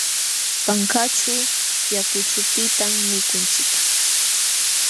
Pankanćhu yakuchupitam mikunchik.